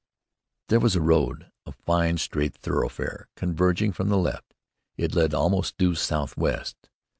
There was a road, a fine straight thoroughfare converging from the left. It led almost due southwest.